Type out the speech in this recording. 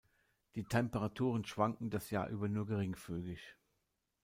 Die Temperaturen schwanken das Jahr über nur geringfügig.